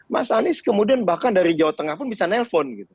mas anies kemudian bahkan dari jawa tengah pun bisa nelfon gitu